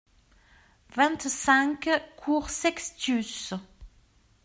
vingt-cinq cours Sextius